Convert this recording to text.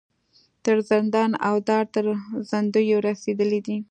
تر زندان او دار تر زندیو رسېدلي دي.